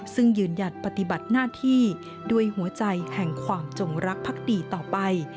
ซึ่งยืนหยัดปฏิบัติหน้าที่ด้วยหัวใจแห่งความจงรักพักดีต่อไป